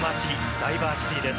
ダイバー・シティーです。